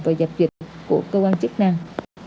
và dập dịch của cơ quan chức năng